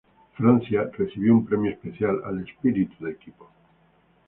Francia recibió un premio especial al "Espíritu de equipo".